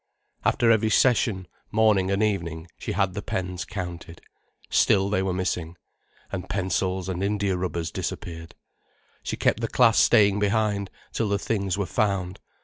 After every session, morning and evening, she had the pens counted. Still they were missing. And pencils and india rubbers disappeared. She kept the class staying behind, till the things were found.